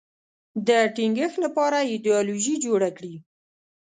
د ټینګښت لپاره ایدیالوژي جوړه کړي